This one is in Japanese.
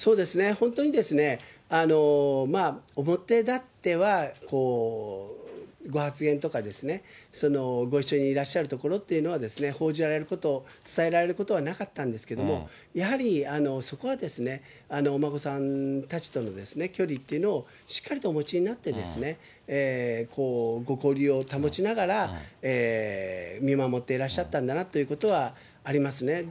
本当に表立ってはご発言とか、ご一緒にいらっしゃるところというのは報じられること、伝えられることはなかったんですけれども、やはり、そこはお孫さんたちとの距離というのをしっかりとお持ちになって、ご交流を保ちながら、見守っていらっしゃったんだなということはありますね。